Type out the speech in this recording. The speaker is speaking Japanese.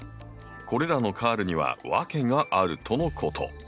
これらのカールには訳があるとのこと。